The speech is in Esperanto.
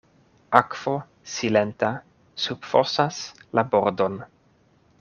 Akvo silenta subfosas la bordon.